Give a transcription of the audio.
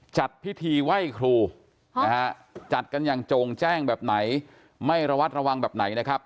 จัดพิธีไหว้ครูนะฮะจัดกันอย่างโจ่งแจ้งแบบไหนไม่ระวัดระวังแบบไหนนะครับ